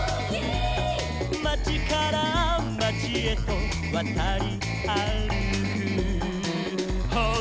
「まちからまちへとわたりあるく」「」